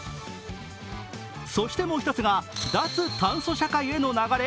そしてもう一つが、脱炭素社会への流れ？